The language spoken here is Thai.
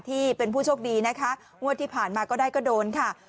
ที่เป็นผู้โชคดีนะคะงวดที่ผ่านมาก็ได้ก็โดนค่ะ